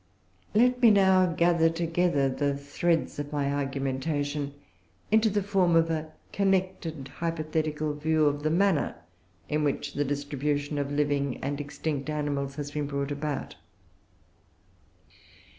Let me now gather together the threads of my argumentation into the form of a connected hypothetical view of the manner in which the distribution of living and extinct animals has been brought about.